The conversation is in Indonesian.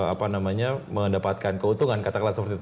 apa namanya mendapatkan keuntungan katakanlah seperti itu